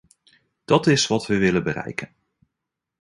Dat is wat we willen bereiken.